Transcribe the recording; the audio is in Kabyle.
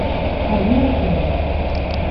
Rniɣ-kem.